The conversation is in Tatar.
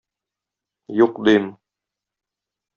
Юк! - дим.